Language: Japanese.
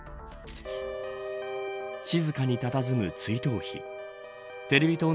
静かにたたずむ追悼碑。